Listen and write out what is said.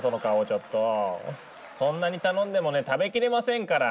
そんなに頼んでもね食べきれませんから！